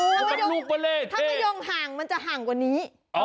เออมะยงถ้ามะยงห่างมันจะห่างกว่านี้